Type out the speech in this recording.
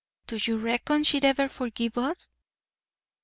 Do you reckon she'd ever forgive us?